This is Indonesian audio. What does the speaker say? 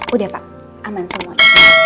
udah pak aman semuanya